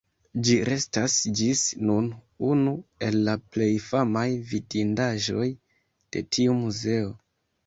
Ĝi restas ĝis nun unu el la plej famaj vidindaĵoj de tiu muzeo.